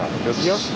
よし。